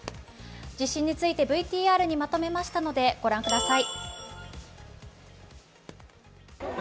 地震についてＶＴＲにまとめましたのでご覧ください。